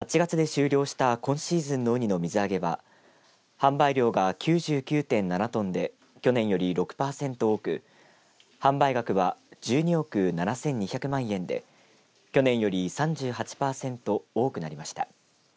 岩手県漁連によりますと８月で終了した今シーズンのうにの水揚げは販売量が９９．７トンで去年より６パーセント多く販売額は１２億７２００万円で去年より３８パーセント多くなりました。